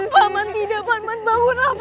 pak man tidak bangunlah